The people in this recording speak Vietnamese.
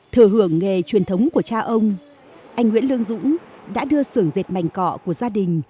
thừa hưởng nghề truyền thống của cha ông anh nguyễn lương dũng đã đưa sưởng dệt mạnh cọ của gia đình